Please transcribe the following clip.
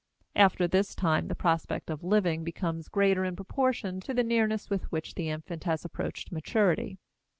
After this time, the prospect of living becomes greater in proportion to the nearness with which the infant has approached maturity.